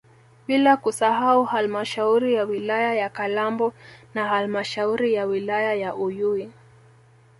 Bila kusahau halmashauri ya wilaya ya Kalambo na halmashauri ya wilaya ya Uyui